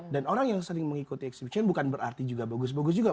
dan orang yang sering mengikuti exhibition bukan berarti juga bagus bagus juga